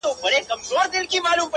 د شهید قبر یې هېر دی له جنډیو!.